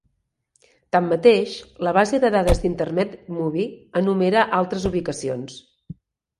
Tanmateix, la base de dades d'Internet Movie enumera altres ubicacions.